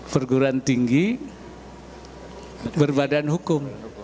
perguruan tinggi berbadan hukum